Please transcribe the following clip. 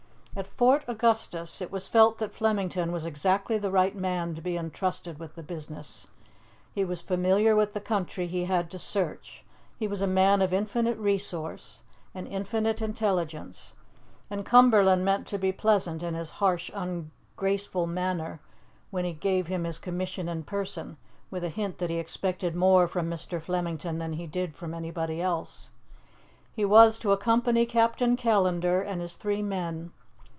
At Fort Augustus it was felt that Flemington was exactly the right man to be entrusted with the business. He was familiar with the country he had to search, he was a man of infinite resource and infinite intelligence; and Cumberland meant to be pleasant in his harsh, ungraceful manner, when he gave him his commission in person, with a hint that he expected more from Mr. Flemington than he did from anybody else. He was to accompany Captain Callandar and his three men.